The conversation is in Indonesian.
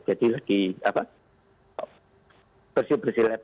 jadi lagi bersih bersih lab